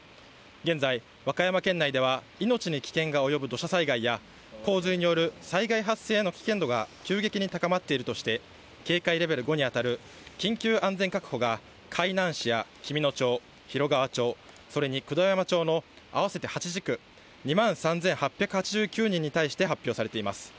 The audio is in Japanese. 現在、和歌山県内では命に危険が及ぶ土砂災害や、洪水による災害発生の危険度が急激に高まっているとして、警戒レベル５に当たる緊急安全確保が海南市や紀美野町、広川町、それに九度山町の合わせて８地区、２万８８９人に対して、発表されています。